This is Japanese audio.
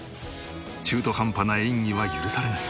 中途半端な演技は許されない。